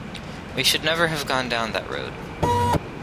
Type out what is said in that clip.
We should never have gone down that road.